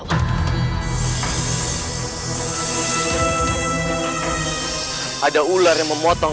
ada ular yang memotong